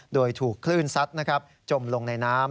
โดยถูกคลื่นซัดจมลงในน้ำ